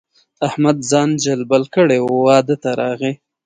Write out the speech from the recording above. احمد ځان جلبل کړی وو؛ واده ته راغی.